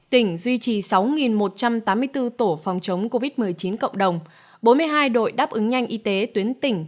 tỉnh duy trì sáu một trăm tám mươi bốn tổ phòng chống covid một mươi chín cộng đồng bốn mươi hai đội đáp ứng nhanh y tế tuyến tỉnh